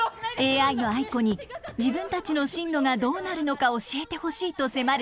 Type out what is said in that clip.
ＡＩのアイコに自分たちの進路がどうなるのか教えてほしいと迫る生徒たち。